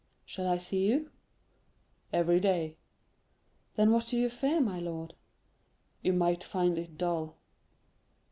"Shall I see you?" "Every day." "Then what do you fear, my lord?" "You might find it dull."